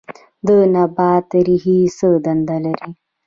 د نبات ریښې څه دنده لري